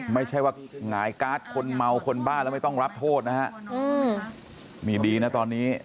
ไม่ใช่ว่าหงายการ์ดคนเมาคนบ้าแล้วไม่ต้องรับโทษนะฮะอืมนี่ดีนะตอนนี้